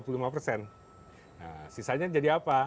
nah sisanya jadi apa